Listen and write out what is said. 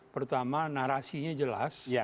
pertama narasinya jelas